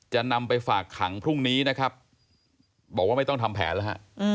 จะนำไปฝากขังพรุ่งนี้นะครับบอกว่าไม่ต้องทำแผนแล้วฮะ